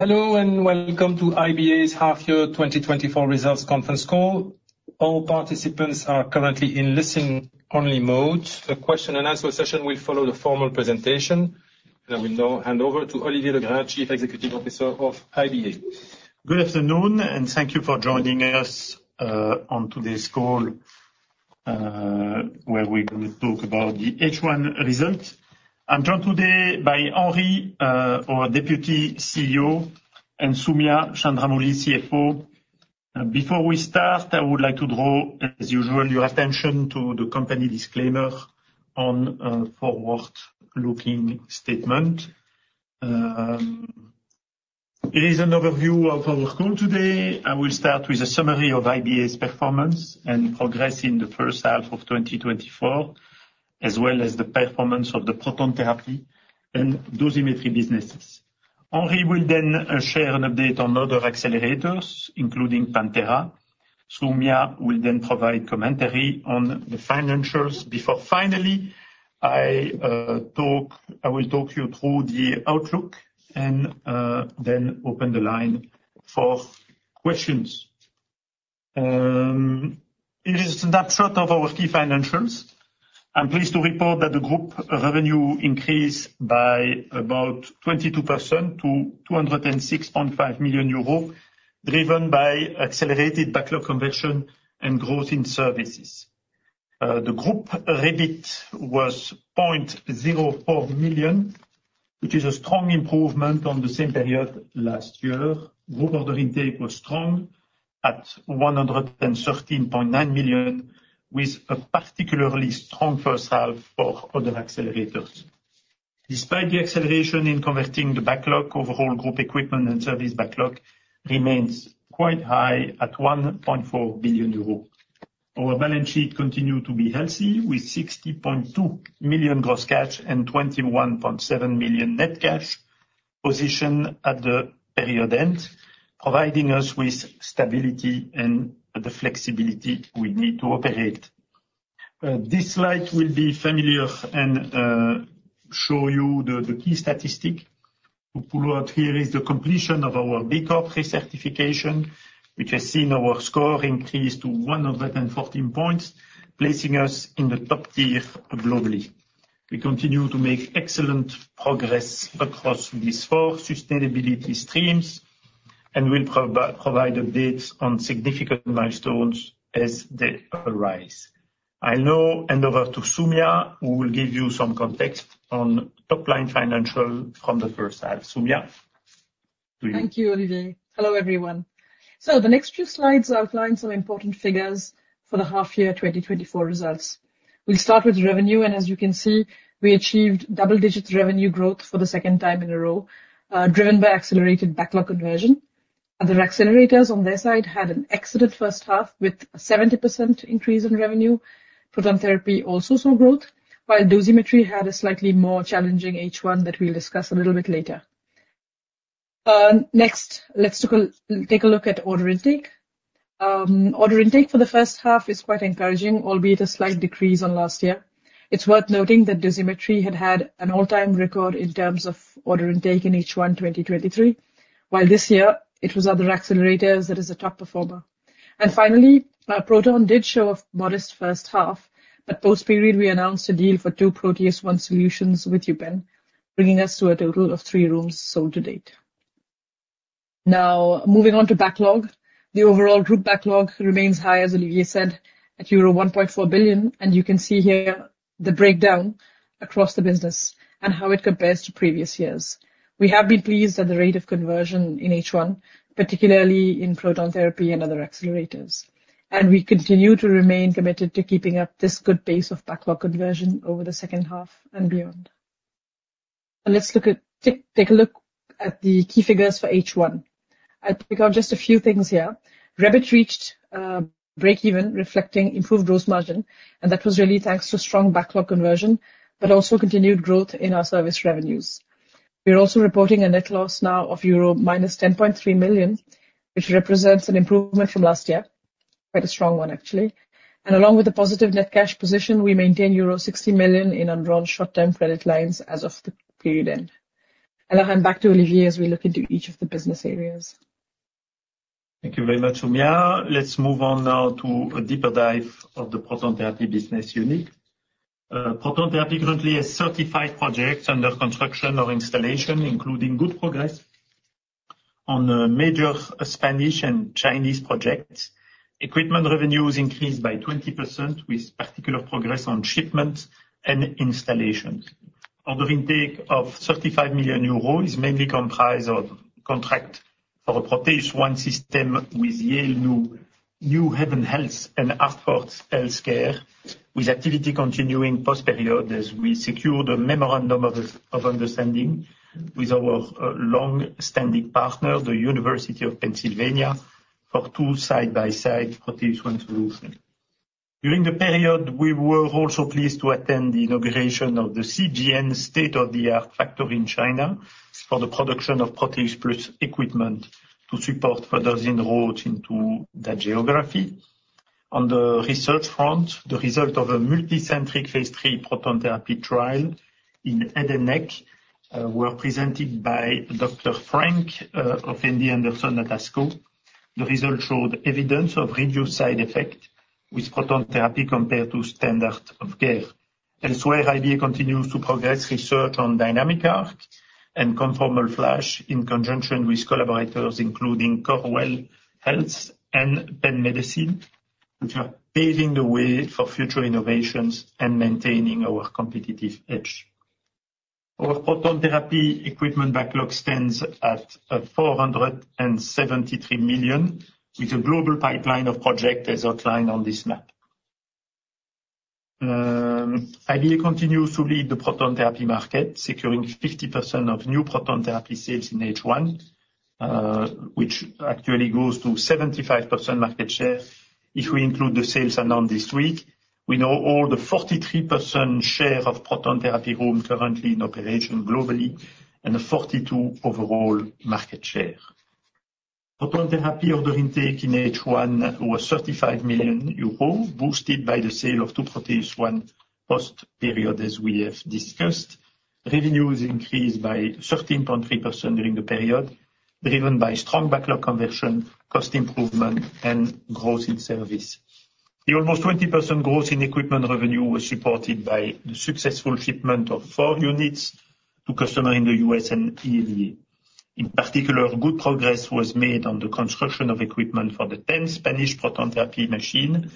Hello, and welcome to IBA's half year 2024 results conference call. All participants are currently in listen-only mode. The question and answer session will follow the formal presentation. I will now hand over to Olivier Legrand, Chief Executive Officer of IBA. Good afternoon, and thank you for joining us on today's call, where we're gonna talk about the H1 result. I'm joined today by Henri, our Deputy CEO, and Soumya Chandramouli, CFO. Before we start, I would like to draw, as usual, your attention to the company disclaimer on forward-looking statement. Here is an overview of our call today. I will start with a summary of IBA's performance and progress in the first half of twenty twenty-four, as well as the performance of the proton therapy and dosimetry businesses. Henri will then share an update on other accelerators, including PanTera. Soumya will then provide commentary on the financials before finally, I will talk you through the outlook and then open the line for questions. Here is a snapshot of our key financials. I'm pleased to report that the group revenue increased by about 22% to 206.5 million euros, driven by accelerated backlog conversion and growth in services. The group REBIT was 0.04 million, which is a strong improvement on the same period last year. Group order intake was strong at 113.9 million, with a particularly strong first half for other accelerators. Despite the acceleration in converting the backlog, overall group equipment and service backlog remains quite high at 1.4 billion euro. Our balance sheet continued to be healthy, with 60.2 million gross cash and 21.7 million net cash position at the period end, providing us with stability and the flexibility we need to operate. This slide will be familiar and show you the key statistic. To pull out here is the completion of our B Corp recertification, which has seen our score increase to one hundred and fourteen points, placing us in the top tier globally. We continue to make excellent progress across these four sustainability streams, and we'll provide updates on significant milestones as they arise. I'll now hand over to Soumya, who will give you some context on top-line financial from the first half. Soumya, to you. Thank you, Olivier. Hello, everyone. So the next few slides outline some important figures for the half year 2024 results. We'll start with revenue, and as you can see, we achieved double-digit revenue growth for the second time in a row, driven by accelerated backlog conversion. Other accelerators on their side had an excellent first half, with a 70% increase in revenue. Proton therapy also saw growth, while dosimetry had a slightly more challenging H1 that we'll discuss a little bit later. Next, let's take a look at order intake. Order intake for the first half is quite encouraging, albeit a slight decrease on last year. It's worth noting that dosimetry had an all-time record in terms of order intake in H1 2023, while this year it was other accelerators that is a top performer. And finally, proton did show a modest first half, but post-period, we announced a deal for two Proteus ONE solutions with UPenn, bringing us to a total of three rooms sold to date. Now, moving on to backlog. The overall group backlog remains high, as Olivier said, at euro 1.4 billion, and you can see here the breakdown across the business and how it compares to previous years. We have been pleased at the rate of conversion in H1, particularly in proton therapy and other accelerators, and we continue to remain committed to keeping up this good pace of backlog conversion over the second half and beyond. And let's look at the key figures for H1. Take a look at the key figures for H1. I'll pick on just a few things here. REBIT reached break even, reflecting improved gross margin, and that was really thanks to strong backlog conversion, but also continued growth in our service revenues. We are also reporting a net loss now of -10.3 million euro, which represents an improvement from last year, quite a strong one, actually, and along with a positive net cash position, we maintain euro 60 million in undrawn short-term credit lines as of the period end, and I hand back to Olivier as we look into each of the business areas. Thank you very much, Soumya. Let's move on now to a deeper dive of the proton therapy business unit. Proton therapy currently has certified projects under construction or installation, including good progress on the major Spanish and Chinese projects. Equipment revenues increased by 20%, with particular progress on shipments and installations. Order intake of 35 million euros is mainly comprised of contract for the Proteus ONE system with Yale New Haven Health and Hartford HealthCare, with activity continuing post-period, as we secured a memorandum of understanding with our long-standing partner, the University of Pennsylvania, for two side-by-side Proteus ONE solution. During the period, we were also pleased to attend the inauguration of the CGN state-of-the-art factory in China for the production of ProteusPLUS equipment to support further inroads into that geography. On the research front, the result of a multicentric phase III proton therapy trial in head and neck were presented by Dr. Frank of MD Anderson at ASCO. The results showed evidence of reduced side effect with proton therapy compared to standard of care. Elsewhere, IBA continues to progress research on DynamicARC and ConformalFLASH in conjunction with collaborators, including Corwell Health and Penn Medicine, which are paving the way for future innovations and maintaining our competitive edge. Our proton therapy equipment backlog stands at 473 million EUR, with a global pipeline of project as outlined on this map. IBA continues to lead the proton therapy market, securing 50% of new proton therapy sales in H1, which actually goes to 75% market share if we include the sales announced this week. We now hold a 43% share of proton therapy rooms currently in operation globally, and a 42 overall market share. Proton therapy order intake in H1 was 35 million euros, boosted by the sale of two Proteus ONE post-period, as we have discussed. Revenues increased by 13.3% during the period, driven by strong backlog conversion, cost improvement, and growth in service. The almost 20% growth in equipment revenue was supported by the successful shipment of four units to customer in the US and EMEA. In particular, good progress was made on the construction of equipment for the 10 Spanish proton therapy machine,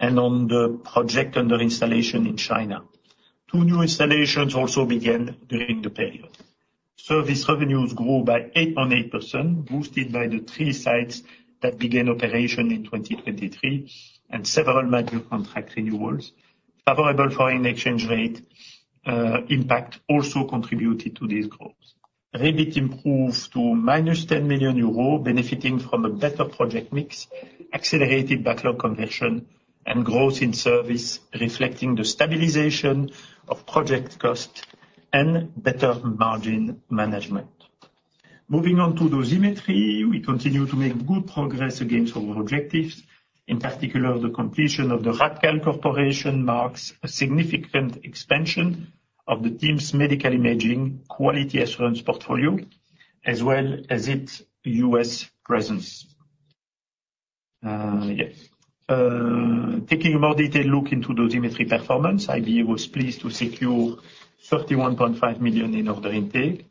and on the project under installation in China. Two new installations also began during the period. Service revenues grew by 8.8%, boosted by the three sites that began operation in 2023, and several major contract renewals. Favorable foreign exchange rate impact also contributed to these growth. EBIT improved to -10 million euros, benefiting from a better project mix, accelerated backlog conversion, and growth in service, reflecting the stabilization of project costs and better margin management. Moving on to Dosimetry, we continue to make good progress against our objectives. In particular, the acquisition of the Radcal Corporation marks a significant expansion of the team's medical imaging quality assurance portfolio, as well as its U.S. presence. Taking a more detailed look into Dosimetry performance, IBA was pleased to secure 31.5 million in order intake.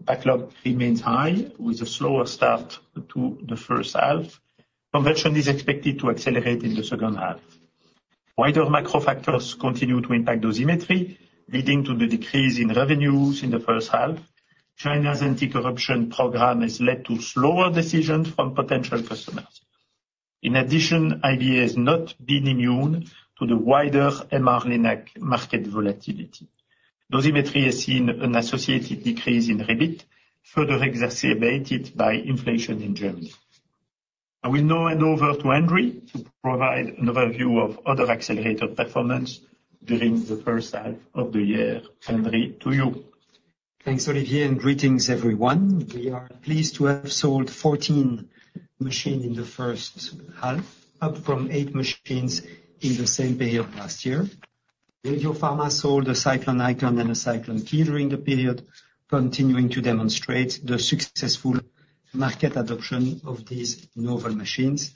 Backlog remains high, with a slower start to the first half. Conversion is expected to accelerate in the second half. Wider macro factors continue to impact Dosimetry, leading to the decrease in revenues in the first half. China's anti-corruption program has led to slower decisions from potential customers. In addition, IBA has not been immune to the wider MR Linac market volatility. Dosimetry has seen an associated decrease in EBIT, further exacerbated by inflation in Germany. I will now hand over to Henri to provide an overview of other accelerator performance during the first half of the year. Henri, to you. Thanks, Olivier, and greetings, everyone. We are pleased to have sold fourteen machines in the first half, up from eight machines in the same period last year. Radiopharma sold a Cyclone IKON and a Cyclone KIUBE during the period, continuing to demonstrate the successful market adoption of these novel machines.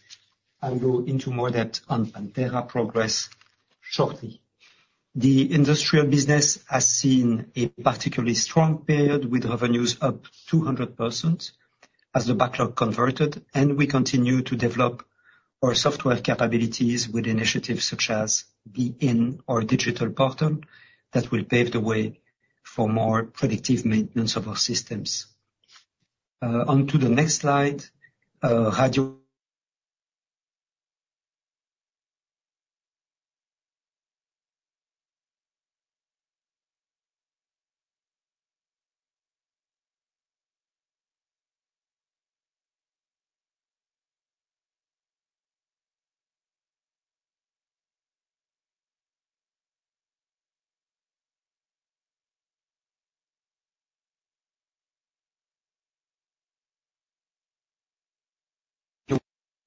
I'll go into more depth on PanTera progress shortly. The industrial business has seen a particularly strong period, with revenues up 200% as the backlog converted, and we continue to develop our software capabilities with initiatives such as BEAM, our digital portal, that will pave the way for more predictive maintenance of our systems. On to the next slide, radio-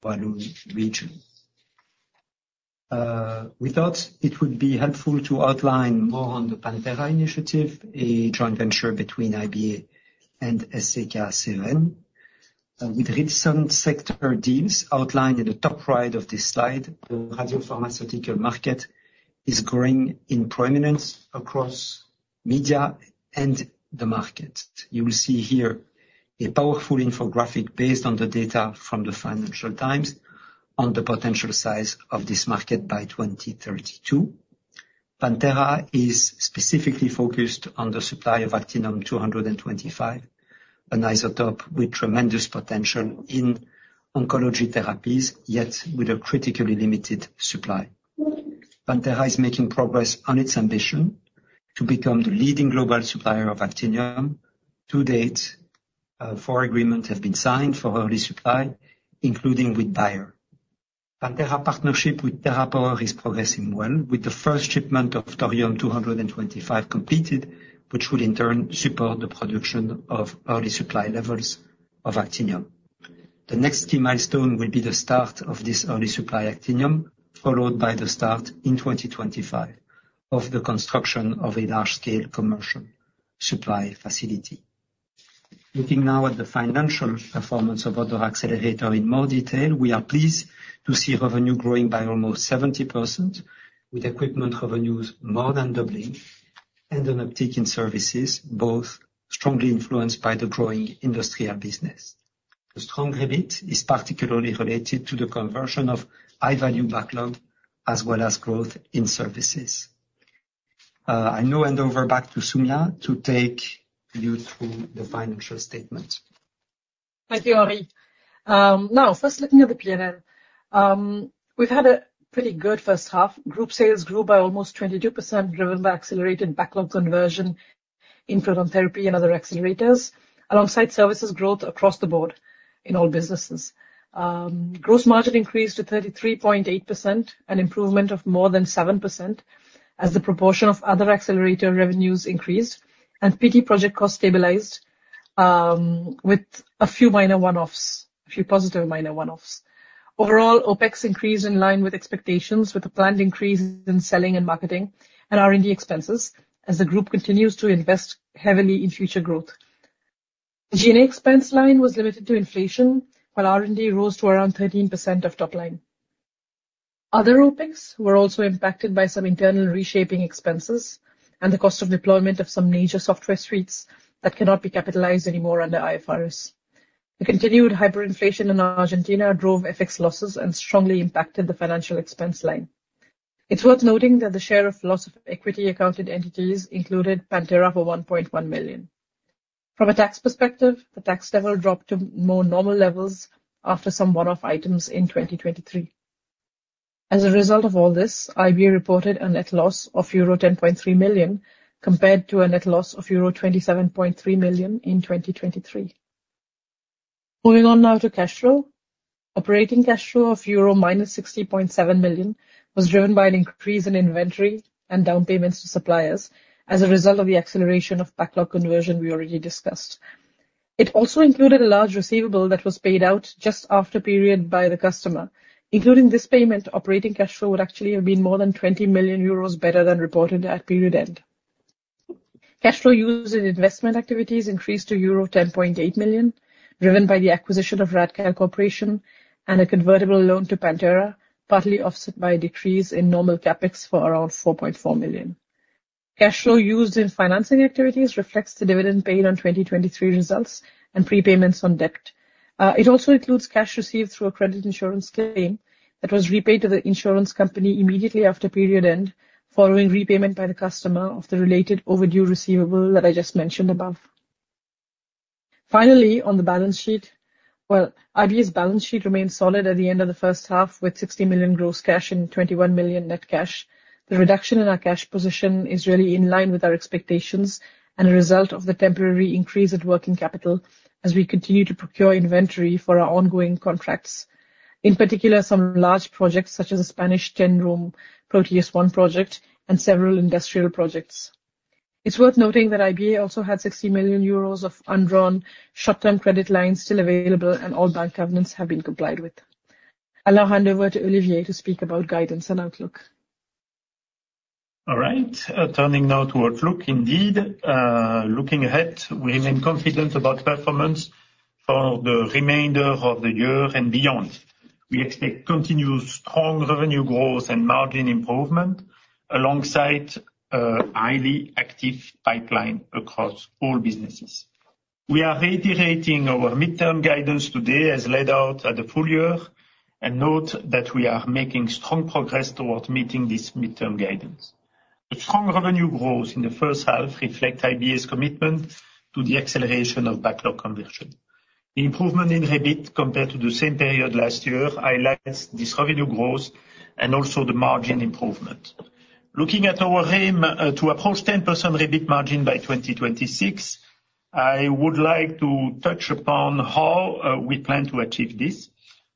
region. We thought it would be helpful to outline more on the PanTera initiative, a joint venture between IBA and SCK CEN. With recent sector deals outlined in the top right of this slide, the radiopharmaceutical market is growing in prominence across media and the market. You will see here a powerful infographic based on the data from the Financial Times on the potential size of this market by 2032. PanTera is specifically focused on the supply of actinium-225, an isotope with tremendous potential in oncology therapies, yet with a critically limited supply. PanTera is making progress on its ambition to become the leading global supplier of actinium. To date, four agreements have been signed for early supply, including with Bayer. PanTera partnership with TerraPower is progressing well, with the first shipment of thorium-229 completed, which will in turn support the production of early supply levels. of actinium. The next key milestone will be the start of this early supply actinium, followed by the start in 2025 of the construction of a large-scale commercial supply facility. Looking now at the financial performance of other accelerator in more detail, we are pleased to see revenue growing by almost 70%, with equipment revenues more than doubling and an uptick in services, both strongly influenced by the growing industrial business. The strong EBIT is particularly related to the conversion of high-value backlog, as well as growth in services. I now hand over back to Soumya to take you through the financial statement. Thank you, Henri. Now, first, looking at the P&L, we've had a pretty good first half. Group sales grew by almost 22%, driven by accelerated backlog conversion in proton therapy and other accelerators, alongside services growth across the board in all businesses. Gross margin increased to 33.8%, an improvement of more than 7%, as the proportion of other accelerator revenues increased and PT project costs stabilized, with a few minor one-offs, a few positive minor one-offs. Overall, OpEx increased in line with expectations, with a planned increase in selling and marketing and R&D expenses as the group continues to invest heavily in future growth. G&A expense line was limited to inflation, while R&D rose to around 13% of top line. Other OpEx were also impacted by some internal reshaping expenses and the cost of deployment of some major software suites that cannot be capitalized anymore under IFRS. The continued hyperinflation in Argentina drove FX losses and strongly impacted the financial expense line. It's worth noting that the share of loss of equity accounted entities included PanTera for 1.1 million. From a tax perspective, the tax level dropped to more normal levels after some one-off items in 2023. As a result of all this, IBA reported a net loss of euro 10.3 million, compared to a net loss of euro 27.3 million in 2023. Moving on now to cash flow. Operating cash flow of -60.7 million euro was driven by an increase in inventory and down payments to suppliers as a result of the acceleration of backlog conversion we already discussed. It also included a large receivable that was paid out just after period by the customer. Including this payment, operating cash flow would actually have been more than 20 million euros better than reported at period end. Cash flow used in investment activities increased to euro 10.8 million, driven by the acquisition of Radcal Corporation and a convertible loan to PanTera, partly offset by a decrease in normal CapEx for around 4.4 million. Cash flow used in financing activities reflects the dividend paid on 2023 results and prepayments on debt. It also includes cash received through a credit insurance claim that was repaid to the insurance company immediately after period end, following repayment by the customer of the related overdue receivable that I just mentioned above. Finally, on the balance sheet, IBA's balance sheet remained solid at the end of the first half, with 60 million gross cash and 21 million net cash. The reduction in our cash position is really in line with our expectations and a result of the temporary increase in working capital as we continue to procure inventory for our ongoing contracts, in particular, some large projects such as the Spanish 10-room Proteus ONE project and several industrial projects. It's worth noting that IBA also had 60 million euros of undrawn short-term credit lines still available, and all bank covenants have been complied with. I'll now hand over to Olivier to speak about guidance and outlook. All right, turning now to outlook. Indeed, looking ahead, we remain confident about performance for the remainder of the year and beyond. We expect continuous strong revenue growth and margin improvement alongside a highly active pipeline across all businesses. We are reiterating our midterm guidance today, as laid out at the full year, and note that we are making strong progress towards meeting this midterm guidance. The strong revenue growth in the first half reflect IBA's commitment to the acceleration of backlog conversion. The improvement in EBIT compared to the same period last year highlights this revenue growth and also the margin improvement. Looking at our aim, to approach 10% EBIT margin by 2026, I would like to touch upon how we plan to achieve this.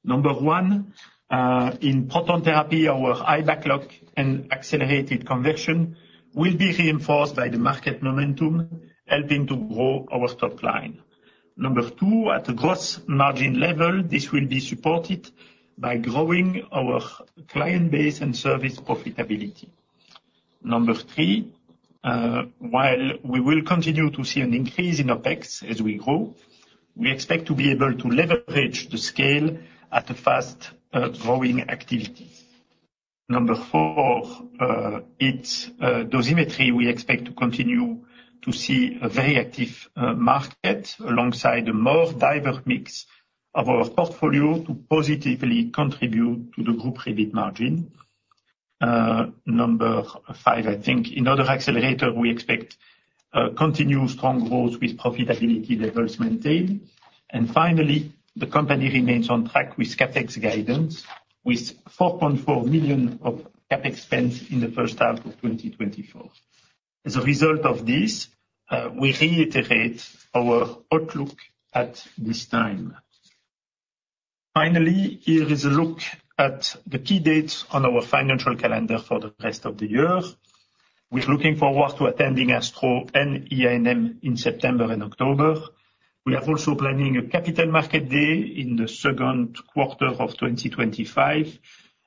Number one, in proton therapy, our high backlog and accelerated conversion will be reinforced by the market momentum, helping to grow our top line. Number two, at the gross margin level, this will be supported by growing our client base and service profitability. Number three, while we will continue to see an increase in OpEx as we grow, we expect to be able to leverage the scale at a fast, growing activity. Number four, it's, dosimetry, we expect to continue to see a very active, market alongside a more diverse mix of our portfolio to positively contribute to the group EBIT margin. Number five, I think in other accelerator, we expect, continued strong growth with profitability levels maintained. Finally, the company remains on track with CapEx guidance, with 4.4 million EUR of CapEx spend in the first half of 2024. As a result of this, we reiterate our outlook at this time. Finally, here is a look at the key dates on our financial calendar for the rest of the year. We're looking forward to attending ASTRO and EANM in September and October. We are also planning a capital market day in the second quarter of 2025,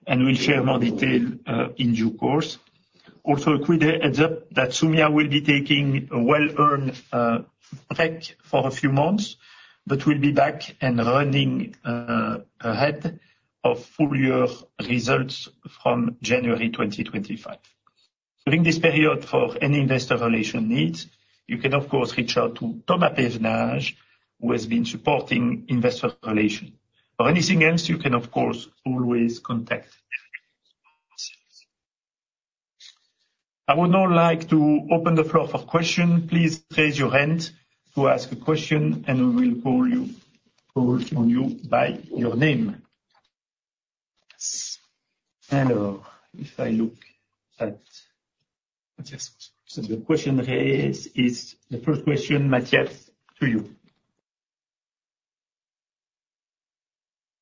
and we'll share more detail in due course. Also, a quick heads up that Soumya will be taking a well-earned break for a few months, but we'll be back and running ahead of full year results from January 2025. During this period, for any investor relation needs, you can, of course, reach out to Thomas Pevenage, who has been supporting investor relation. For anything else, you can, of course, always contact. I would now like to open the floor for question. Please raise your hand to ask a question, and we will call you, call on you by your name. And if I look at... So the question raised is the first question, Matthias, to you.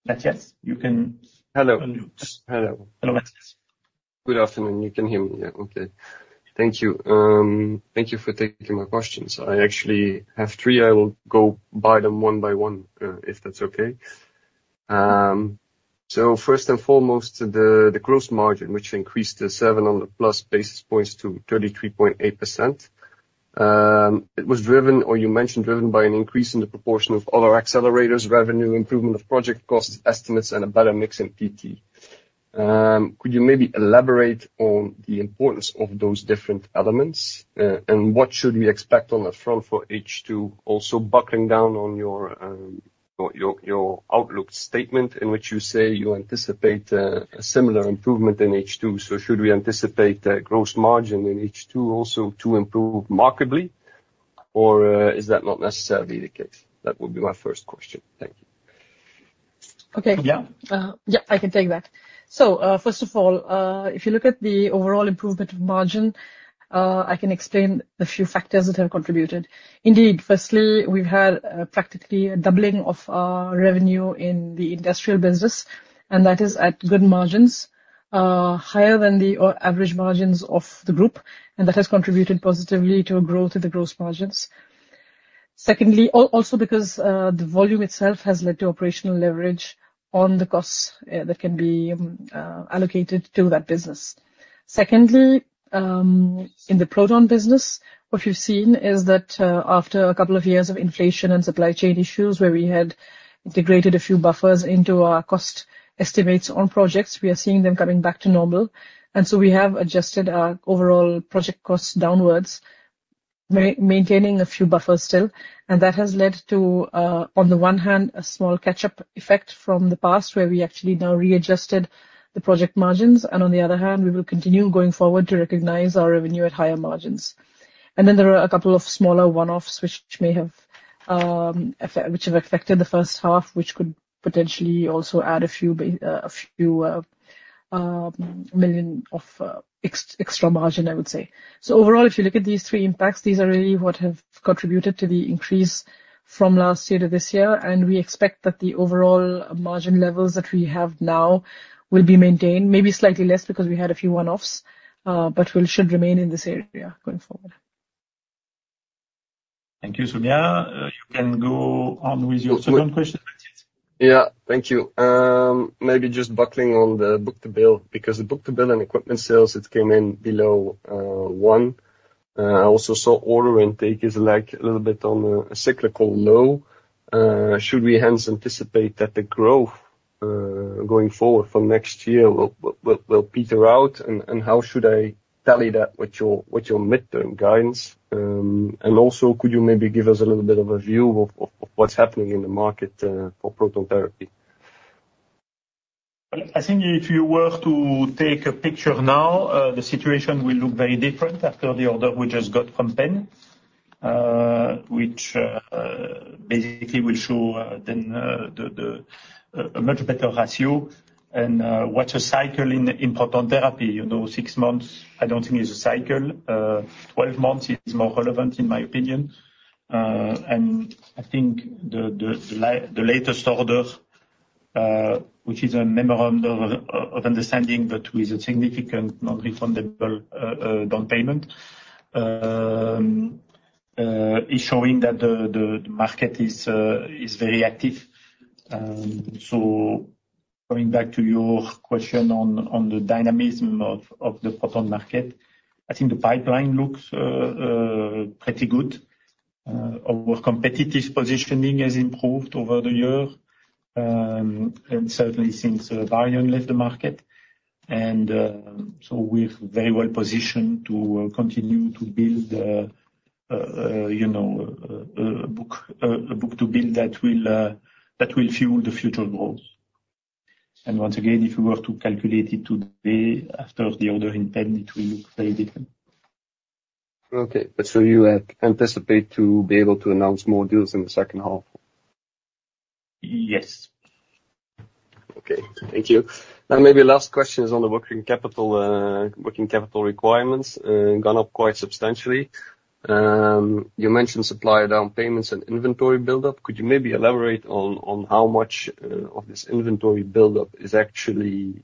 Matthias, you can- Hello? Hello. Hello, Matthias. Good afternoon. You can hear me, yeah. Okay. Thank you. Thank you for taking my questions. I actually have three. I will go by them one by one, if that's okay. So first and foremost, the gross margin, which increased to seven hundred plus basis points to 33.8%, it was driven, or you mentioned, driven by an increase in the proportion of other accelerators revenue, improvement of project costs estimates, and a better mix in PT. Could you maybe elaborate on the importance of those different elements? And what should we expect on that front for H2, also buckling down on your outlook statement, in which you say you anticipate a similar improvement in H2. So should we anticipate a gross margin in H2 also to improve markedly, or is that not necessarily the case? That would be my first question. Thank you. Okay. Yeah. Yeah, I can take that. So, first of all, if you look at the overall improvement of margin, I can explain a few factors that have contributed. Indeed, firstly, we've had practically a doubling of our revenue in the industrial business, and that is at good margins, higher than the average margins of the group, and that has contributed positively to a growth of the growth margins. Secondly, also because the volume itself has led to operational leverage on the costs that can be allocated to that business. Secondly, in the proton business, what you've seen is that after a couple of years of inflation and supply chain issues, where we had integrated a few buffers into our cost estimates on projects, we are seeing them coming back to normal. And so we have adjusted our overall project costs downwards, maintaining a few buffers still. And that has led to, on the one hand, a small catch-up effect from the past, where we actually now readjusted the project margins, and on the other hand, we will continue going forward to recognize our revenue at higher margins. And then there are a couple of smaller one-offs, which have affected the first half, which could potentially also add a few million of extra margin, I would say. Overall, if you look at these three impacts, these are really what have contributed to the increase from last year to this year, and we expect that the overall margin levels that we have now will be maintained, maybe slightly less because we had a few one-offs, but we should remain in this area going forward. Thank you, Soumya. You can go on with your second question, Matthias. Yeah, thank you. Maybe just buckling on the book-to-bill, because the book-to-bill and equipment sales, it came in below one. I also saw order intake is like a little bit on a cyclical low. Should we hence anticipate that the growth going forward from next year will peter out? And how should I tally that with your midterm guidance? And also, could you maybe give us a little bit of a view of what's happening in the market for proton therapy? I think if you were to take a picture now, the situation will look very different after the order we just got from Penn, which basically will show then a much better ratio. And what a cycle in proton therapy, you know, six months, I don't think is a cycle. Twelve months is more relevant, in my opinion. And I think the latest order, which is a memorandum of understanding, but with a significant non-refundable down payment, is showing that the market is very active. So going back to your question on the dynamism of the proton market, I think the pipeline looks pretty good. Our competitive positioning has improved over the year, and certainly since Varian left the market. And so we're very well positioned to continue to build, you know, a book-to-bill that will fuel the future growth. And once again, if you were to calculate it today after the order in Penn, it will look very different. Okay, but so you anticipate to be able to announce more deals in the second half? Yes. Okay, thank you. Now, maybe last question is on the working capital, working capital requirements, gone up quite substantially. You mentioned supplier down payments and inventory buildup. Could you maybe elaborate on, on how much, of this inventory buildup is actually,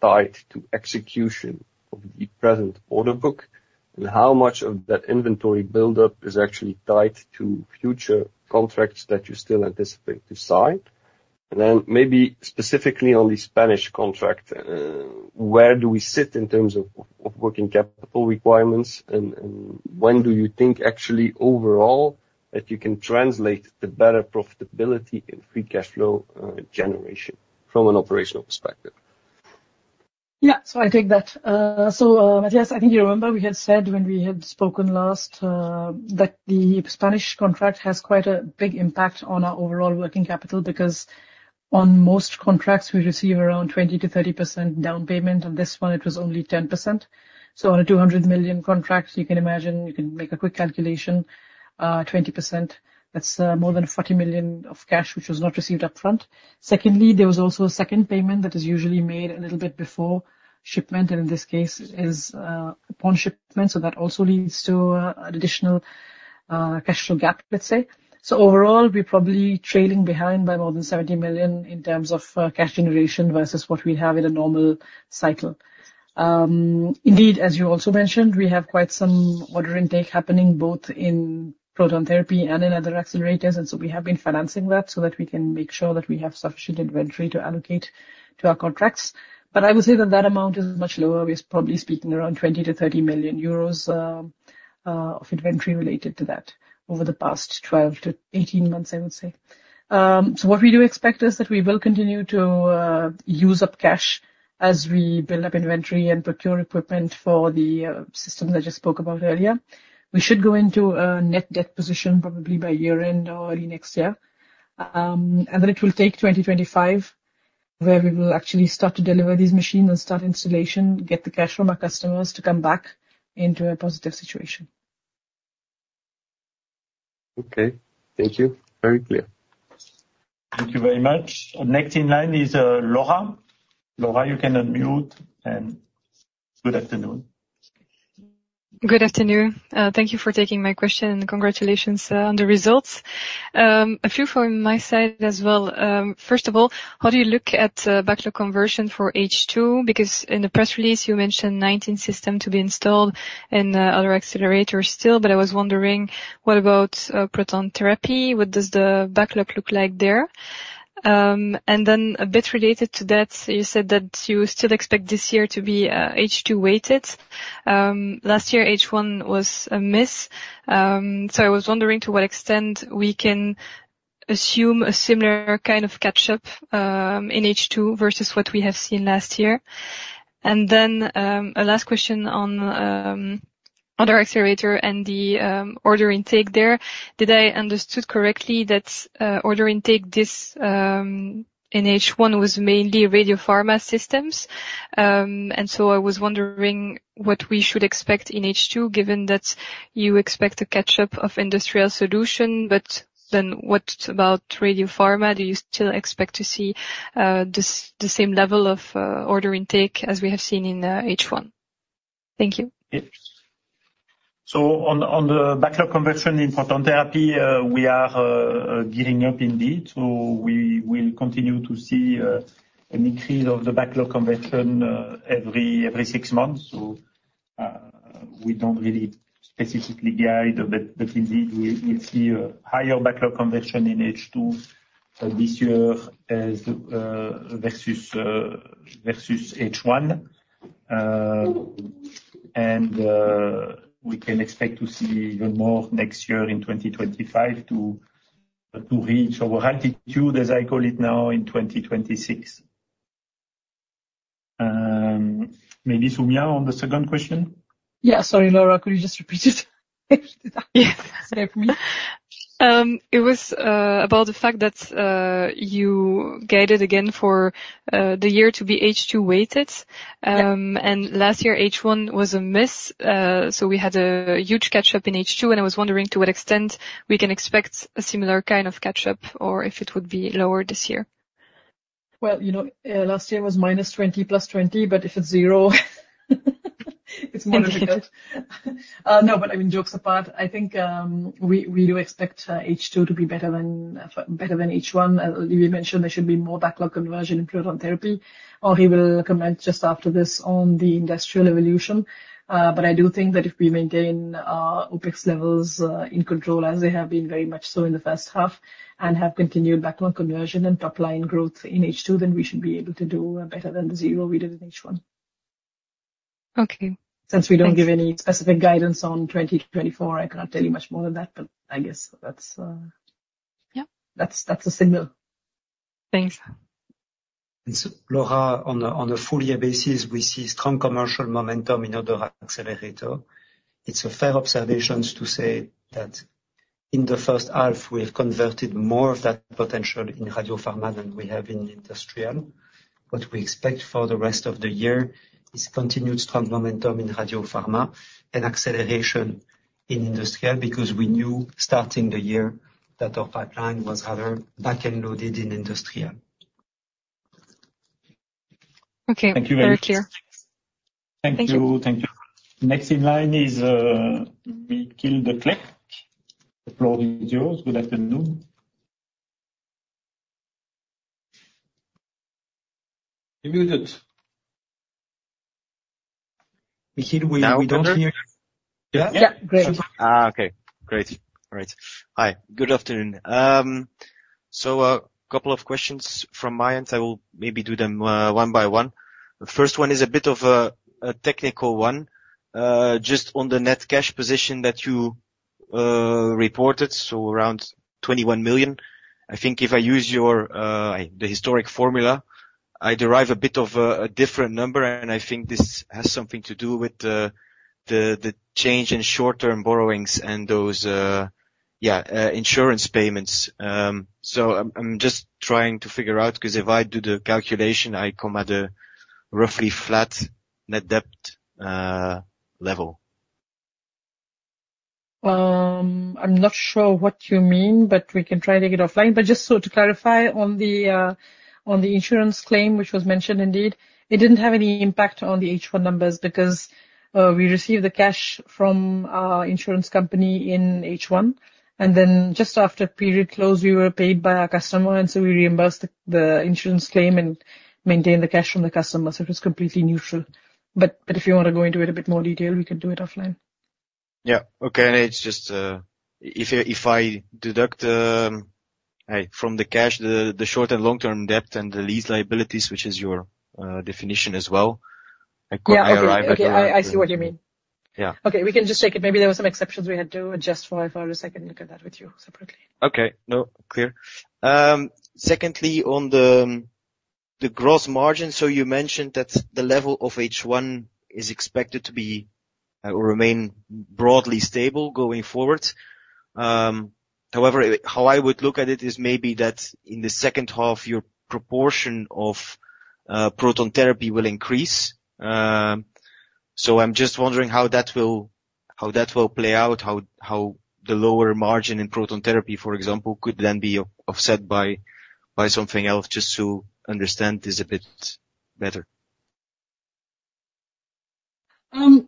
tied to execution of the present order book? And how much of that inventory buildup is actually tied to future contracts that you still anticipate to sign? And then maybe specifically on the Spanish contract, where do we sit in terms of, of working capital requirements, and, and when do you think actually overall, that you can translate the better profitability in free cash flow, generation from an operational perspective? Yeah, so I take that. So, yes, I think you remember we had said when we had spoken last, that the Spanish contract has quite a big impact on our overall working capital, because on most contracts, we receive around 20%-30% down payment, on this one, it was only 10%. So on a 200 million contract, you can imagine, you can make a quick calculation, 20%, that's, more than 40 million of cash, which was not received upfront. Secondly, there was also a second payment that is usually made a little bit before shipment, and in this case, is, upon shipment, so that also leads to, an additional, cash flow gap, let's say. So overall, we're probably trailing behind by more than 70 million in terms of cash generation versus what we have in a normal cycle. Indeed, as you also mentioned, we have quite some order intake happening, both in proton therapy and in other accelerators, and so we have been financing that so that we can make sure that we have sufficient inventory to allocate to our contracts. But I would say that that amount is much lower. We're probably speaking around 20-30 million euros of inventory related to that over the past 12-18 months, I would say. So what we do expect is that we will continue to use up cash as we build up inventory and procure equipment for the systems I just spoke about earlier. We should go into a net debt position probably by year-end or early next year, and then it will take 2025, where we will actually start to deliver these machines and start installation, get the cash from our customers to come back into a positive situation. Okay, thank you. Very clear. Thank you very much. Next in line is, Laura. Laura, you can unmute, and good afternoon. Good afternoon. Thank you for taking my question, and congratulations on the results. A few from my side as well. First of all, how do you look at backlog conversion for H2? Because in the press release, you mentioned 19 systems to be installed in other accelerators still, but I was wondering, what about proton therapy? What does the backlog look like there? And then a bit related to that, you said that you still expect this year to be H2 weighted. Last year, H1 was a miss. So I was wondering to what extent we can assume a similar kind of catch up in H2 versus what we have seen last year. And then a last question on other accelerator and the order intake there. Did I understood correctly that order intake this in H1 was mainly radiopharma systems? And so I was wondering what we should expect in H2, given that you expect a catch up of industrial solution, but then what about radiopharma? Do you still expect to see the same level of order intake as we have seen in H1? Thank you. Yes. So on the backlog conversion in proton therapy, we are gearing up indeed. So we will continue to see an increase of the backlog conversion every six months. So we don't really specifically guide, but indeed, we see a higher backlog conversion in H2 this year as versus H1. And we can expect to see even more next year in twenty twenty-five to reach our altitude, as I call it now, in twenty twenty-six. Maybe Soumya on the second question? Yeah, sorry, Laura, could you just repeat it? Yes. Um, It was about the fact that you guided again for the year to be H2 weighted. Yep. And last year H1 was a miss, so we had a huge catch up in H2, and I was wondering to what extent we can expect a similar kind of catch up or if it would be lower this year? Well, you know, last year was minus 20, plus 20, but if it's 0, it's more difficult. Thank you. No, but I mean, jokes apart, I think we do expect H2 to be better than H1. We mentioned there should be more backlog conversion in proton therapy. Olivier will comment just after this on the industrial division. But I do think that if we maintain our OpEx levels in control, as they have been very much so in the first half, and have continued backlog conversion and top-line growth in H2, then we should be able to do better than the zero we did in H1. Okay. Since we don't give any specific guidance on 2024, I cannot tell you much more than that, but I guess that's. Yep. That's a signal. Thanks. Laura, on a full year basis, we see strong commercial momentum in other accelerator. It's a fair observation to say that in the first half, we have converted more of that potential in radiopharma than we have in industrial. What we expect for the rest of the year is continued strong momentum in radiopharma and acceleration in industrial, because we knew starting the year that our pipeline was rather back-end loaded in industrial. Okay. Thank you, very clear. Thank you. Thank you. Next in line is, Michiel De Clercq, Flow Videos. Good afternoon. You muted. Michiel, we don't hear you. Now better? Yeah. Great. Ah, okay. Great. All right. Hi, good afternoon. So, couple of questions from my end. I will maybe do them one by one. The first one is a bit of a technical one. Just on the net cash position that you reported, so around 21 million. I think if I use your the historic formula, I derive a bit of a different number, and I think this has something to do with the change in short-term borrowings and those yeah insurance payments. So I'm just trying to figure out, 'cause if I do the calculation, I come at a roughly flat net debt level. I'm not sure what you mean, but we can try to get it offline. But just so to clarify on the insurance claim, which was mentioned indeed, it didn't have any impact on the H1 numbers because we received the cash from our insurance company in H1. And then just after period close, we were paid by our customer, and so we reimbursed the insurance claim and maintained the cash from the customer. So it was completely neutral. But if you want to go into it a bit more detail, we can do it offline. Yeah. Okay. It's just, if I deduct net from the cash, the short- and long-term debt and the lease liabilities, which is your definition as well, I arrive at- Yeah. Okay, I see what you mean. Yeah. Okay, we can just check it. Maybe there were some exceptions we had to adjust for. I can look at that with you separately. Okay. No, clear. Secondly, on the gross margin, so you mentioned that the level of H1 is expected to be or remain broadly stable going forward. However, how I would look at it is maybe that in the second half, your proportion of proton therapy will increase. So I'm just wondering how that will play out, how the lower margin in proton therapy, for example, could then be offset by something else, just to understand this a bit better.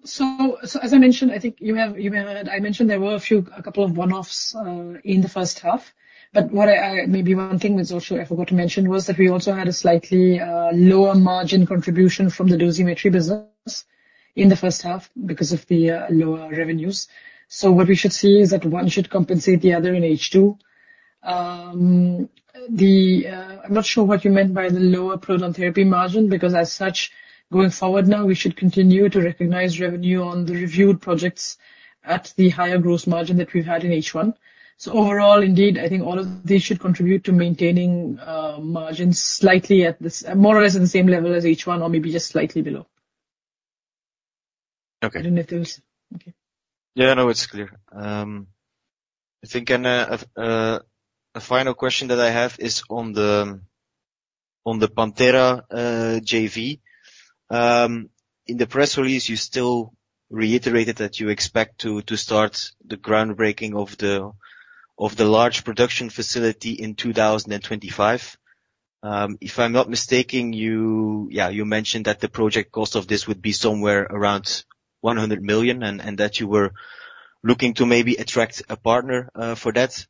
So as I mentioned, I think you have... I mentioned there were a few, a couple of one-offs in the first half. But what I maybe one thing that also I forgot to mention was that we also had a slightly lower margin contribution from the Dosimetry business in the first half because of the lower revenues. So what we should see is that one should compensate the other in H2. I'm not sure what you meant by the lower proton therapy margin, because as such, going forward now, we should continue to recognize revenue on the reviewed projects at the higher gross margin that we've had in H1. Overall, indeed, I think all of these should contribute to maintaining margins slightly at this, more or less at the same level as H1, or maybe just slightly below. Okay. I don't know if there was... Okay. Yeah, no, it's clear. I think, and a final question that I have is on the PanTera JV. In the press release, you still reiterated that you expect to start the groundbreaking of the large production facility in two thousand and twenty-five. If I'm not mistaken, you... Yeah, you mentioned that the project cost of this would be somewhere around 100 million, and that you were looking to maybe attract a partner for that.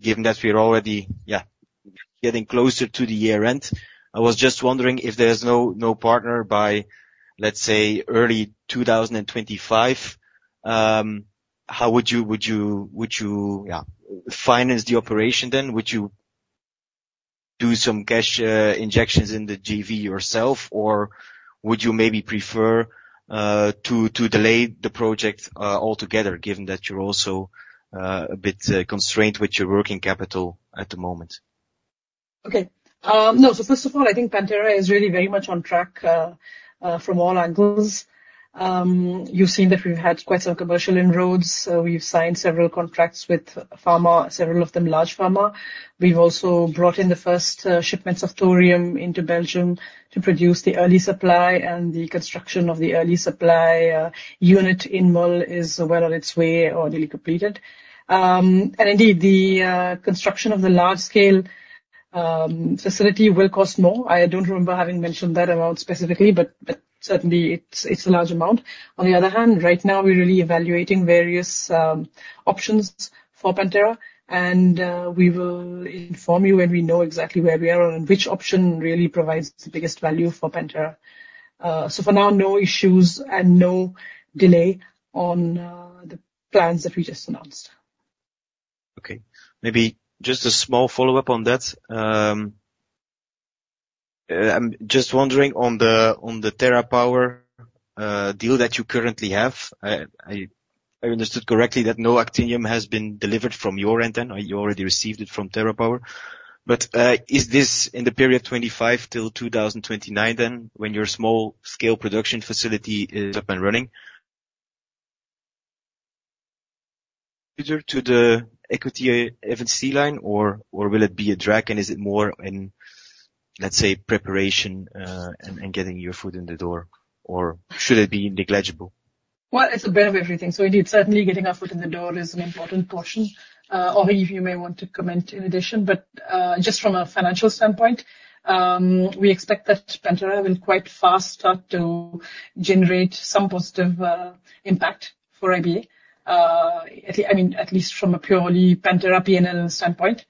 Given that we are already, yeah, getting closer to the year-end, I was just wondering if there's no partner by, let's say, early two thousand and twenty-five, how would you- would you, yeah, finance the operation then? Would you do some cash injections in the JV yourself, or would you maybe prefer to delay the project altogether, given that you're also a bit constrained with your working capital at the moment? Okay. No, so first of all, I think PanTera is really very much on track from all angles. You've seen that we've had quite some commercial inroads. So we've signed several contracts with pharma, several of them large pharma. We've also brought in the first shipments of thorium into Belgium to produce the early supply, and the construction of the early supply unit in Mol is well on its way or nearly completed, and indeed, the construction of the large-scale facility will cost more. I don't remember having mentioned that amount specifically, but certainly, it's a large amount. On the other hand, right now, we're really evaluating various options for PanTera, and we will inform you when we know exactly where we are and which option really provides the biggest value for PanTera. So, for now, no issues and no delay on the plans that we just announced. Okay. Maybe just a small follow-up on that. I'm just wondering on the TerraPower deal that you currently have. I understood correctly that no actinium has been delivered from your end then, or you already received it from TerraPower. But, is this in the period 2025 till 2029 then, when your small-scale production facility is up and running? ... to the equity FNC line, or will it be a drag, and is it more in, let's say, preparation and getting your foot in the door, or should it be negligible? It's a bit of everything. So indeed, certainly getting our foot in the door is an important portion. Olivier, you may want to comment in addition, but just from a financial standpoint, we expect that PanTera will quite fast start to generate some positive impact for IBA. I mean, at least from a purely PanTera PNL standpoint.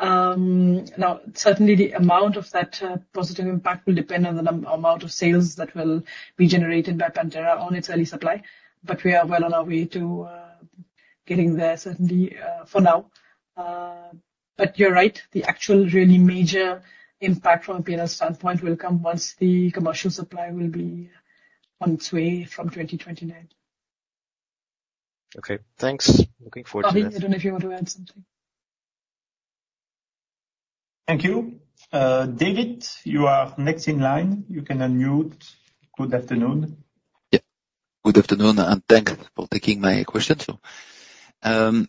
Now, certainly the amount of that positive impact will depend on the amount of sales that will be generated by PanTera on its early supply. But we are well on our way to getting there, certainly for now. But you're right, the actual really major impact from a PNL standpoint will come once the commercial supply will be on its way from twenty twenty-nine. Okay, thanks. Looking forward to that. Olivia, I don't know if you want to add something. Thank you. David, you are next in line. You can unmute. Good afternoon. Yeah, good afternoon, and thanks for taking my question. So,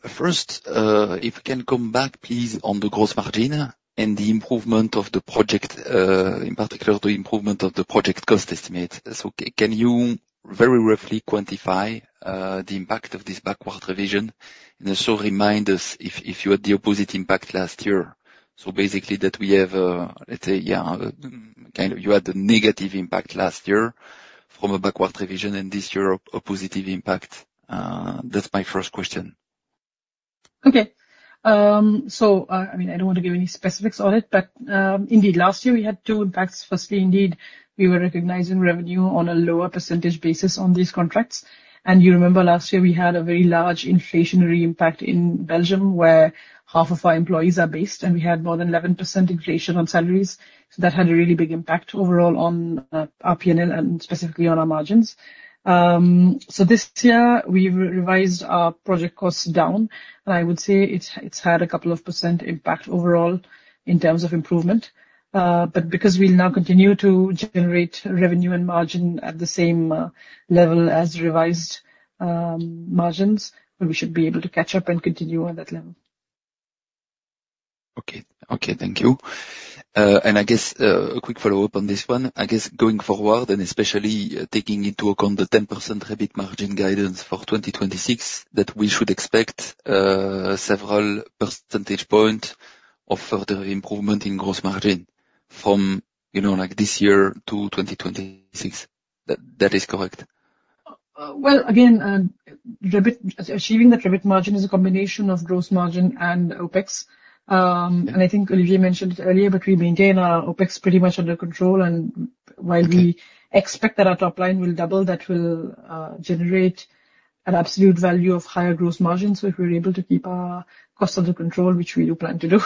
first, if you can come back, please, on the gross margin and the improvement of the project, in particular, the improvement of the project cost estimate. So can you very roughly quantify the impact of this backward revision? And also remind us if you had the opposite impact last year. So basically, that we have, let's say, yeah, kind of you had a negative impact last year from a backward revision and this year, a positive impact. That's my first question. Okay. So, I mean, I don't want to give any specifics on it, but, indeed, last year we had two impacts. Firstly, indeed, we were recognizing revenue on a lower percentage basis on these contracts. And you remember last year, we had a very large inflationary impact in Belgium, where half of our employees are based, and we had more than 11% inflation on salaries. So that had a really big impact overall on our P&L and specifically on our margins. So this year, we've revised our project costs down, and I would say it's had a couple of % impact overall in terms of improvement. But because we'll now continue to generate revenue and margin at the same level as revised margins, we should be able to catch up and continue on that level. Okay. Okay, thank you. And I guess a quick follow-up on this one. I guess going forward, and especially taking into account the 10% EBIT margin guidance for twenty twenty-six, that we should expect several percentage point of further improvement in gross margin from, you know, like this year to twenty twenty-six. That, that is correct? Well, again, EBIT, achieving the EBIT margin is a combination of gross margin and OpEx. And I think Olivier mentioned it earlier, but we maintain our OpEx pretty much under control, and Okay while we expect that our top line will double, that will generate an absolute value of higher gross margin. So if we're able to keep our costs under control, which we do plan to do,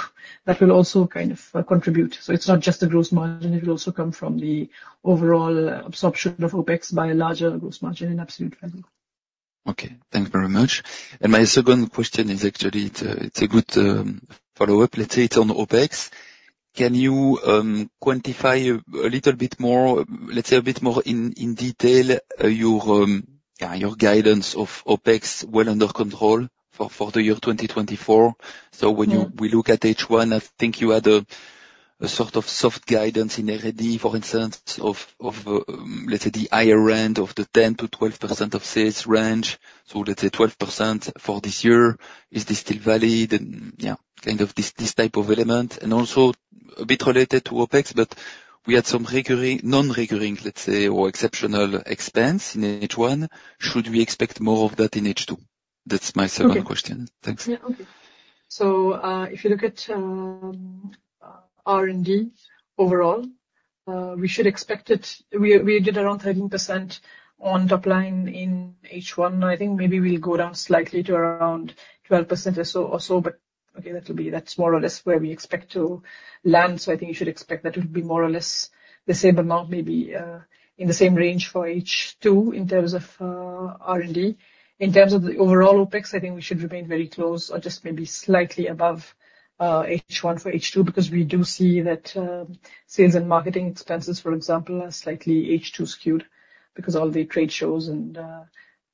that will also kind of contribute. So it's not just the gross margin, it will also come from the overall absorption of OpEx by a larger gross margin in absolute value. Okay, thank you very much. And my second question is actually, it's a good follow-up. Let's say it's on OpEx. Can you quantify a little bit more, let's say a bit more in detail, your yeah your guidance of OpEx well under control for the year 2024? Yeah. When we look at H1, I think you had a sort of soft guidance in R&D, for instance, of let's say the higher end of the 10%-12% of sales range, so let's say 12% for this year. Is this still valid? And yeah, kind of this type of element. And also a bit related to OpEx, but we had some recurring, non-recurring, let's say, or exceptional expense in H1. Should we expect more of that in H2? That's my second- Okay. -question. Thanks. Yeah. Okay. So, if you look at R&D overall, we should expect it. We did around 13% on top line in H1. I think maybe we'll go down slightly to around 12% or so, but again, that's more or less where we expect to land. So I think you should expect that it will be more or less the same amount, maybe, in the same range for H2 in terms of R&D. In terms of the overall OpEx, I think we should remain very close or just maybe slightly above H1 for H2, because we do see that sales and marketing expenses, for example, are slightly H2 skewed because all the trade shows and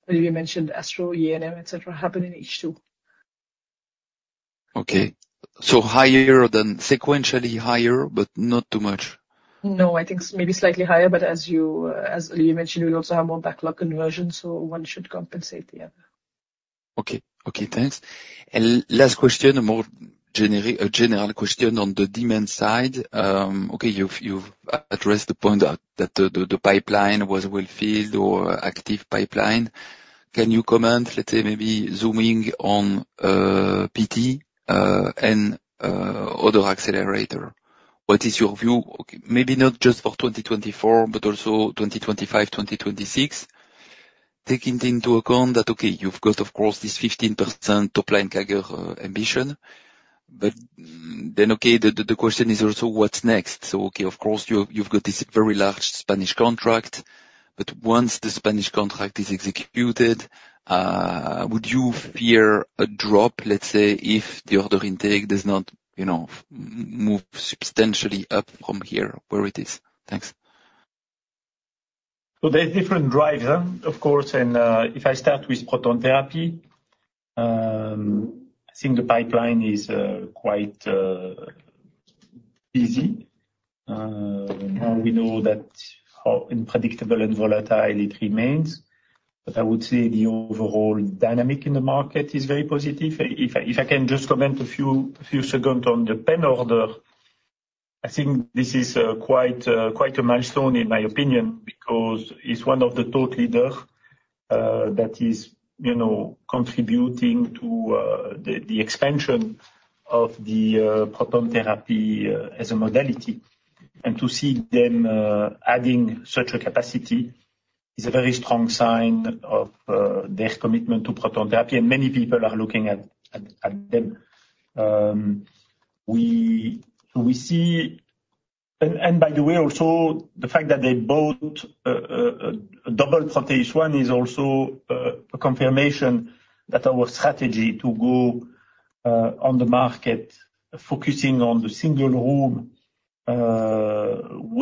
Olivier mentioned Astro, ENM, et cetera, happen in H2. Okay, so higher than, sequentially higher, but not too much? No, I think maybe slightly higher, but as you, as Olivier mentioned, we'll also have more backlog conversion, so one should compensate the other. Okay. Okay, thanks. And last question, a more general question on the demand side. Okay, you've addressed the point that the pipeline was well filled or active pipeline. Can you comment, let's say, maybe zooming on PT and industrial accelerator? What is your view, okay, maybe not just for twenty twenty-four, but also twenty twenty-five, twenty twenty-six, taking into account that, okay, you've got, of course, this 15% top line CAGR ambition. But then, okay, the question is also what's next? So okay, of course, you've got this very large Spanish contract, but once the Spanish contract is executed, would you fear a drop, let's say, if the order intake does not, you know, move substantially up from here, where it is? Thanks. So there's different drivers, of course, and if I start with proton therapy, I think the pipeline is quite busy. Now we know that how unpredictable and volatile it remains, but I would say the overall dynamic in the market is very positive. If I can just comment a few seconds on the Penn order, I think this is quite quite a milestone in my opinion, because it's one of the top leaders that is, you know, contributing to the expansion of the proton therapy as a modality. And to see them adding such a capacity is a very strong sign of their commitment to proton therapy, and many people are looking at them. We see, and by the way, also, the fact that they bought double Proteus ONE is also a confirmation that our strategy to go on the market, focusing on the single room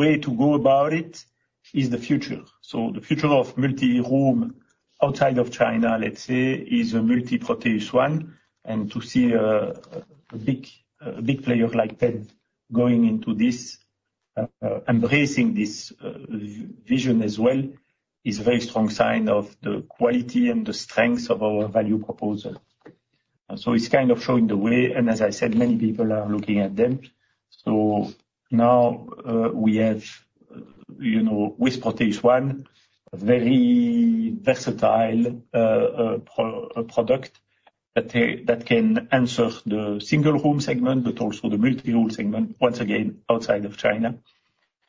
way to go about it, is the future. So the future of multi-room outside of China, let's say, is a multi-Proteus ONE, and to see a big player like Penn going into this, embracing this vision as well, is a very strong sign of the quality and the strength of our value proposal. So it's kind of showing the way, and as I said, many people are looking at them. So now, we have, you know, with Proteus ONE, a very versatile product that can answer the single-room segment, but also the multi-room segment, once again, outside of China,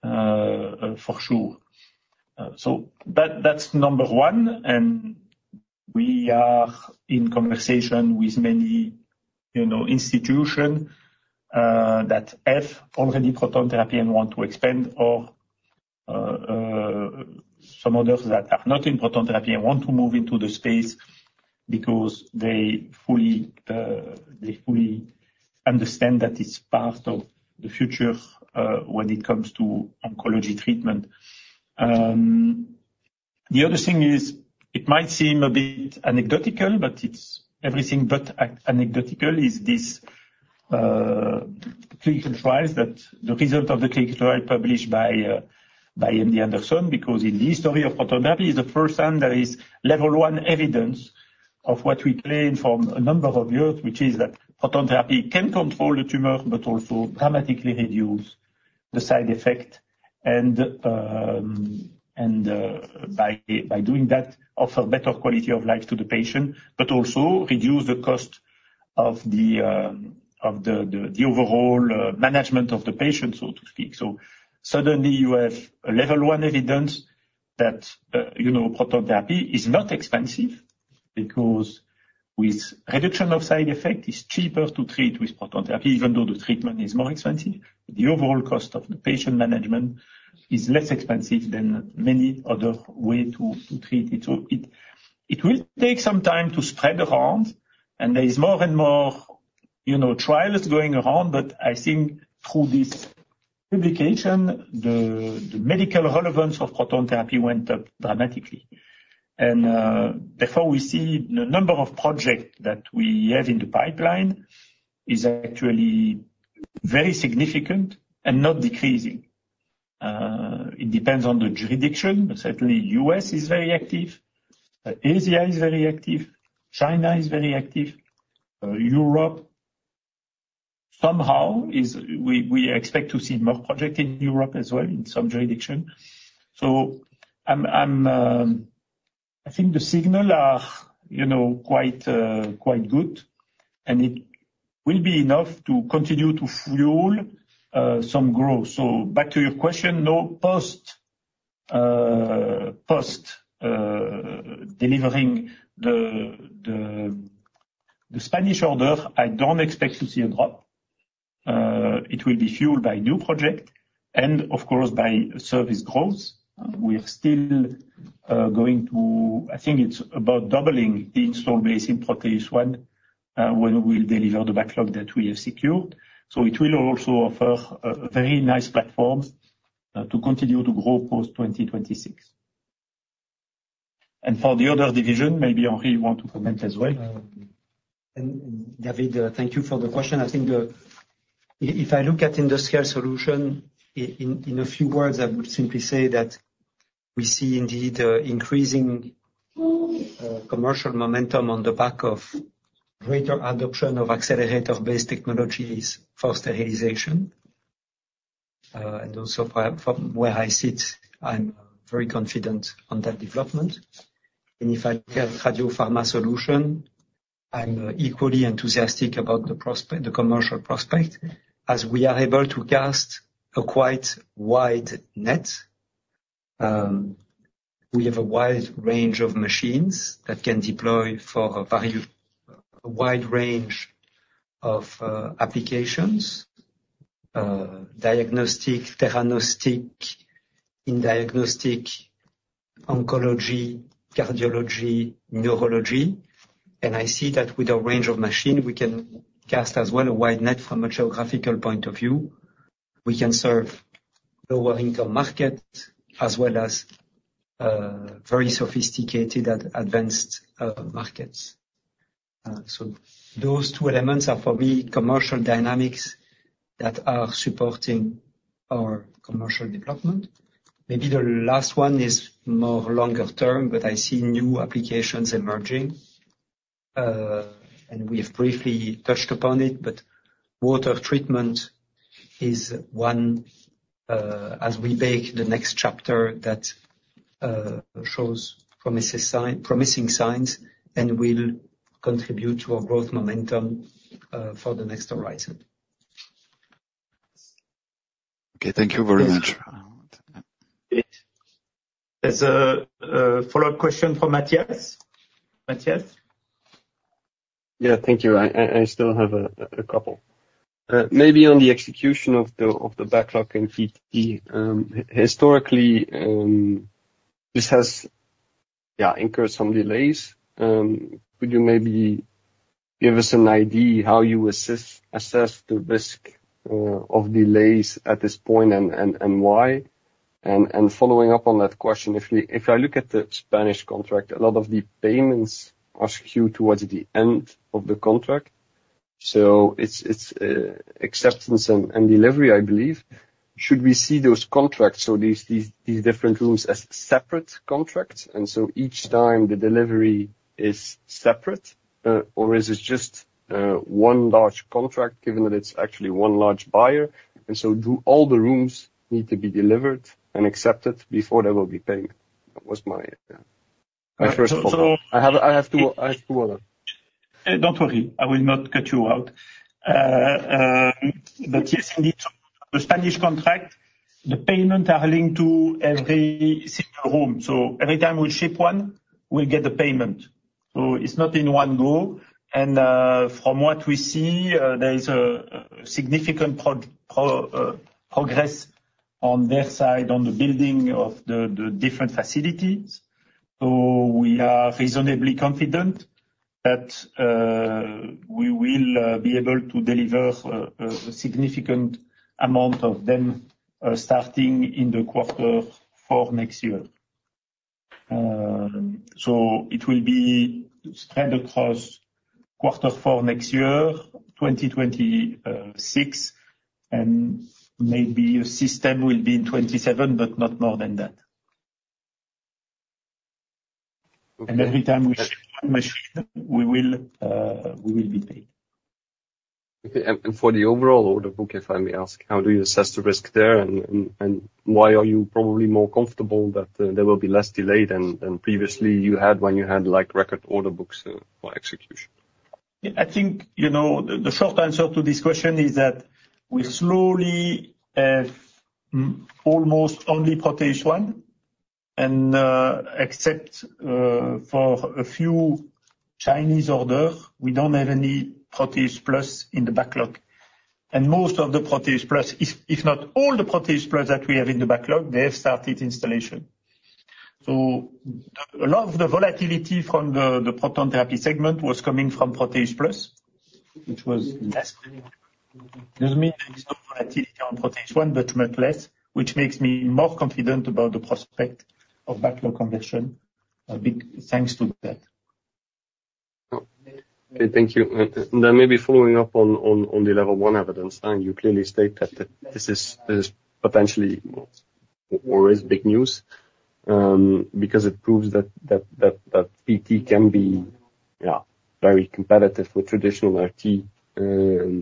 for sure. So but that's number one, and we are in conversation with many, you know, institution that have already proton therapy and want to expand or some others that are not in proton therapy and want to move into the space because they fully understand that it's part of the future when it comes to oncology treatment. The other thing is, it might seem a bit anecdotal, but it's everything but anecdotal. This clinical trial, the result of the clinical trial published by MD Anderson, because in the history of proton therapy, is the first time there is level one evidence of what we claimed from a number of years, which is that proton therapy can control the tumor, but also dramatically reduce the side effect. And by doing that, offer better quality of life to the patient, but also reduce the cost of the overall management of the patient, so to speak. Suddenly, you have a level one evidence that you know proton therapy is not expensive, because with reduction of side effect, it's cheaper to treat with proton therapy, even though the treatment is more expensive. The overall cost of the patient management is less expensive than many other way to treat it. So it will take some time to spread around, and there is more and more, you know, trials going around, but I think through this publication, the medical relevance of proton therapy went up dramatically. And therefore, we see the number of projects that we have in the pipeline is actually very significant and not decreasing. It depends on the jurisdiction, but certainly U.S. is very active, Asia is very active, China is very active. Europe, somehow we expect to see more projects in Europe as well, in some jurisdiction. So I'm I think the signals are, you know, quite good, and it will be enough to continue to fuel some growth. So back to your question, no, post delivering the Spanish order, I don't expect to see a drop. It will be fueled by new project and of course, by service growth. We are still going to. I think it's about doubling the install base in Proteus ONE when we deliver the backlog that we have secured. So it will also offer a very nice platform to continue to grow post-twenty twenty-six. And for the other division, maybe Henri want to comment as well. David, thank you for the question. I think, if I look at industrial solution, in a few words, I would simply say that we see indeed increasing commercial momentum on the back of greater adoption of accelerator-based technologies for sterilization. Also from where I sit, I'm very confident on that development. If I look at radiopharma solution, I'm equally enthusiastic about the commercial prospect, as we are able to cast a quite wide net. We have a wide range of machines that can deploy for a very wide range of applications, diagnostic, oncology, cardiology, neurology. I see that with a range of machine, we can cast as well a wide net from a geographical point of view. we can serve lower income markets as well as, very sophisticated and advanced, markets. So those two elements are, for me, commercial dynamics that are supporting our commercial development. Maybe the last one is more longer term, but I see new applications emerging. And we have briefly touched upon it, but water treatment is one, as we make the next chapter that shows promising signs, and will contribute to our growth momentum, for the next horizon. Okay, thank you very much. There's a follow-up question from Matthias. Matthias? Yeah, thank you. I still have a couple. Maybe on the execution of the backlog in PT. Historically, this has incurred some delays. Could you maybe give us an idea how you assess the risk of delays at this point, and why? And following up on that question, if I look at the Spanish contract, a lot of the payments are skewed towards the end of the contract, so it's acceptance and delivery, I believe. Should we see those contracts or these different rooms as separate contracts, and so each time the delivery is separate, or is this just one large contract, given that it's actually one large buyer? And so do all the rooms need to be delivered and accepted before they will be paid? That was my first follow up. I have two other. Don't worry, I will not cut you out. But yes, indeed, the Spanish contract, the payment are linked to every single room. So every time we ship one, we get the payment, so it's not in one go. And, from what we see, there is a significant progress on their side on the building of the different facilities. So we are reasonably confident that we will be able to deliver a significant amount of them, starting in quarter four next year. So it will be spread across quarter four next year, twenty twenty-six, and maybe a system will be in twenty-seven, but not more than that. Okay. Every time we ship a machine, we will, we will be paid. Okay, and for the overall order book, if I may ask, how do you assess the risk there, and why are you probably more comfortable that there will be less delay than previously you had when you had, like, record order books for execution? Yeah, I think, you know, the short answer to this question is that we slowly have almost only Proteus ONE, and except for a few Chinese orders, we don't have any Proteus PLUS in the backlog. And most of the Proteus PLUS, if not all the Proteus PLUS that we have in the backlog, they have started installation. So a lot of the volatility from the proton therapy segment was coming from Proteus PLUS, which was less. Excuse me? There is no volatility on Proteus ONE, but much less, which makes me more confident about the prospect of backlog conversion, big thanks to that. Oh. Okay, thank you. Then maybe following up on the level one evidence, and you clearly state that this is potentially or is big news, because it proves that PT can be, yeah, very competitive with traditional RT,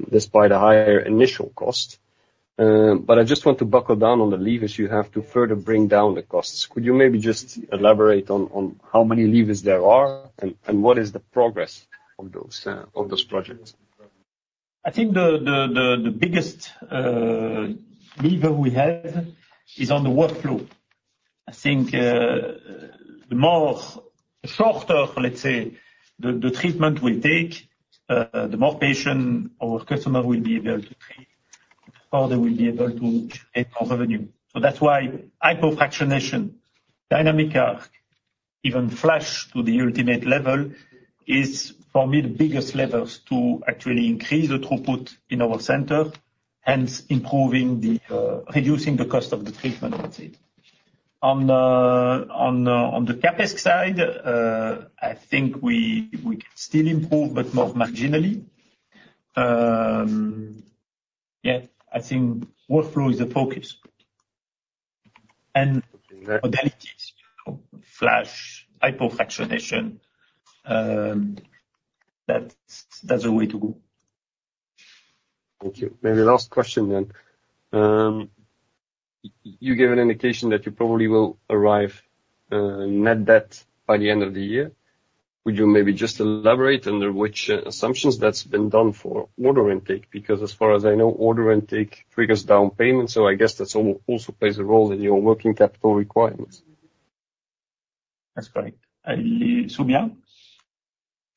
despite a higher initial cost. But I just want to buckle down on the levers you have to further bring down the costs. Could you maybe just elaborate on how many levers there are, and what is the progress of those projects? I think the biggest lever we have is on the workflow. I think the more shorter, let's say, the treatment will take, the more patients our customer will be able to treat, or they will be able to get our revenue. So that's why hypofractionation, DynamicARC, even FLASH to the ultimate level, is for me, the biggest levers to actually increase the throughput in our center, hence improving the reducing the cost of the treatment. On the CapEx side, I think we can still improve, but more marginally. Yeah, I think workflow is the focus. Modalities, FLASH, hypofractionation, that's the way to go. Thank you. Maybe last question then. You gave an indication that you probably will arrive net debt by the end of the year. Would you maybe just elaborate under which assumptions that's been done for order intake? Because as far as I know, order intake triggers down payment, so I guess that's also plays a role in your working capital requirements. That's correct. Soumya?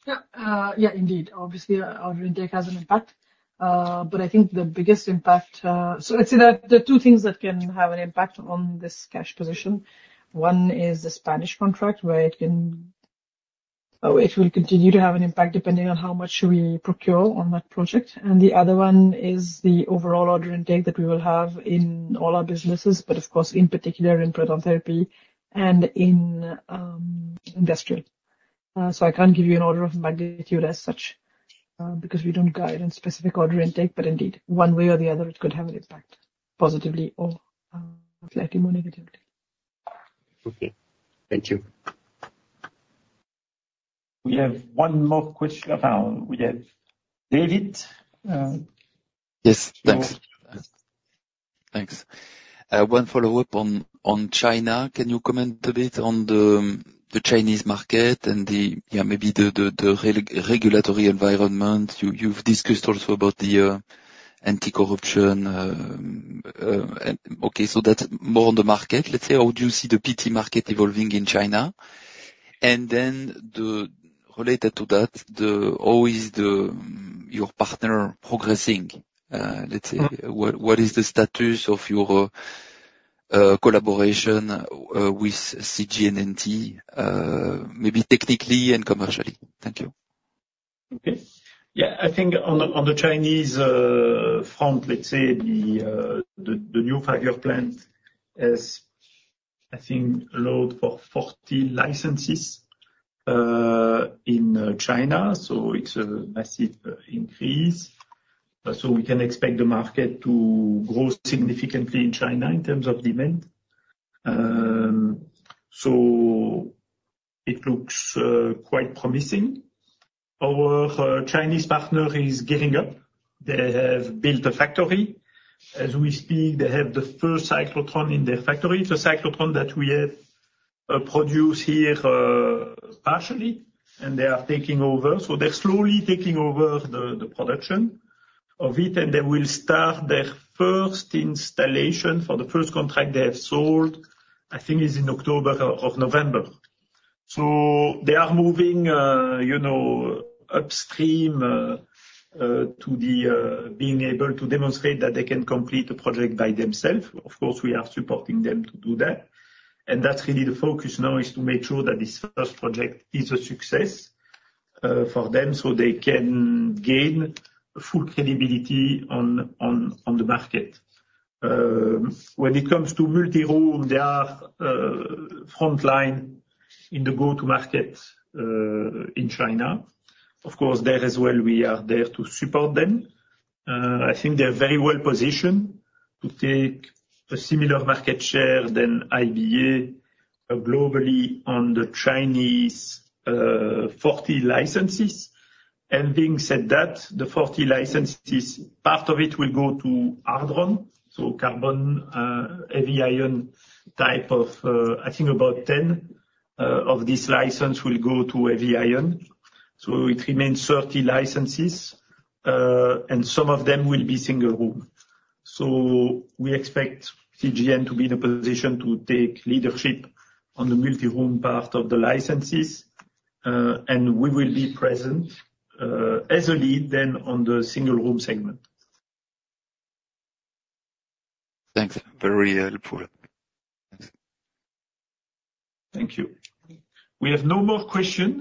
Yeah, yeah, indeed. Obviously, order intake has an impact, but I think the biggest impact, so let's say that there are two things that can have an impact on this cash position. One is the Spanish contract, where it will continue to have an impact, depending on how much we procure on that project. And the other one is the overall order intake that we will have in all our businesses, but of course, in particular, in proton therapy and in industrial, so I can't give you an order of magnitude as such, because we don't guide on specific order intake, but indeed, one way or the other, it could have an impact, positively or slightly more negatively. Okay. Thank you. We have one more question. We have David, Yes, thanks. Thanks. One follow-up on China. Can you comment a bit on the Chinese market and maybe the regulatory environment? You've discussed also about the anti-corruption... Okay, so that's more on the market. Let's say, how do you see the PT market evolving in China? And then related to that, how is your partner progressing? Let's say, what is the status of your collaboration with CGNNT, maybe technically and commercially? Thank you. Okay. Yeah, I think on the Chinese front, let's say the new Five-Year Plan has, I think, allowed for 40 licenses in China, so it's a massive increase. So we can expect the market to grow significantly in China in terms of demand. So it looks quite promising. Our Chinese partner is gearing up. They have built a factory. As we speak, they have the first cyclotron in their factory. It's a cyclotron that we have produced here partially, and they are taking over. So they're slowly taking over the production of it, and they will start their first installation for the first contract they have sold. I think it's in October or November. So they are moving, you know, upstream to being able to demonstrate that they can complete a project by themselves. Of course, we are supporting them to do that. And that's really the focus now, is to make sure that this first project is a success for them, so they can gain full credibility on the market. When it comes to multi-room, they are frontline in the go-to-market in China. Of course, there as well, we are there to support them. I think they're very well positioned to take a similar market share than IBA globally on the Chinese 40 licenses. And being said that, the 40 licenses, part of it will go to hadrons, so carbon heavy ion type of, I think about 10 of this license will go to heavy ion. It remains thirty licenses, and some of them will be single-room. We expect CGN to be in a position to take leadership on the multi-room part of the licenses, and we will be present, as a lead then on the single-room segment. Thanks, very helpful. Thank you. We have no more questions.